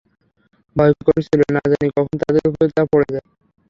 ভয় করছিল, না জানি কখন তাদের উপর তা পড়ে যায়।